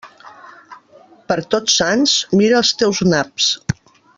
Per Tots Sants, mira els teus naps.